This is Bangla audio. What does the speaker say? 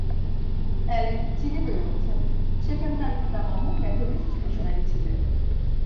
অ্যালেন চীনে বেড়ে ওঠেন, সেখানে তার পিতামহ মেথডিস্ট মিশনারী ছিলেন।